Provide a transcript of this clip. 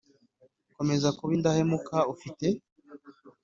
Komeza kuba indahemuka ufite